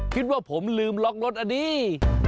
คิดว่าผมลืมล็อกรถอันนี้